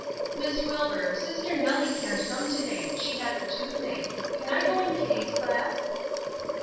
"Miss Wilbur, sister Nellie can't come to day; she has the toothache. Can I go in Kitty's class?"